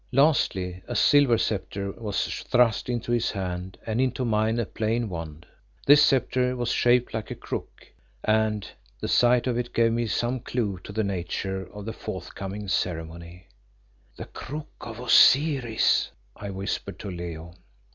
Lastly, a silver sceptre was thrust into his hand and into mine a plain wand. This sceptre was shaped like a crook, and the sight of it gave me some clue to the nature of the forthcoming ceremony. "The crook of Osiris!" I whispered to Leo.